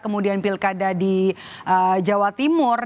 kemudian pilkada di jawa timur